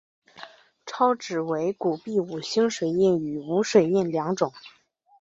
钞纸为古币五星水印与无水印两种。